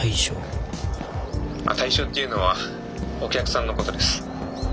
あっ対象っていうのはお客さんのことです。